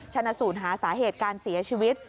ชนะสูตรหาสาเหตุการเสียชีวิต